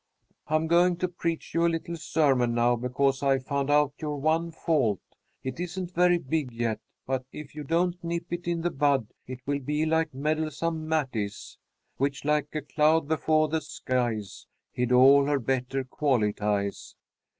"I'm going to preach you a little sermon now, because I've found out your one fault. It isn't very big yet, but, if you don't nip it in the bud, it will be like Meddlesome Matty's, "'Which, like a cloud before the skies, Hid all her better qualities.'